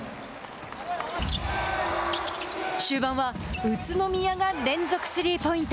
終盤は宇都宮が連続スリーポイント。